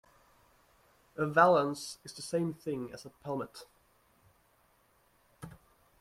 A valance is the same thing as a pelmet